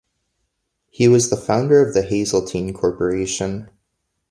He was the founder of the Hazeltine Corporation.